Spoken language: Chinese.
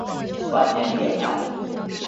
晚年涅盘。